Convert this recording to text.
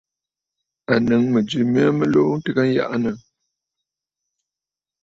À nɨ̌ŋ mɨ̀jɨ mya mɨ luu ntɨgə njaʼanə.